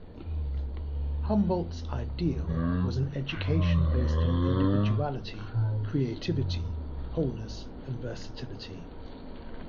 Humboldt's Ideal was an education based on individuality, creativity, wholeness, and versatility.